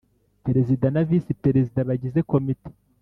Perezida na Visi Perezida bagize Komite